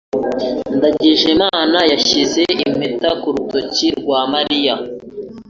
Ndangijemana yashyize impeta ku rutoki rwa Mariya.